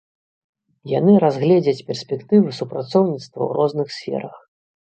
Яны разгледзяць перспектывы супрацоўніцтва ў розных сферах.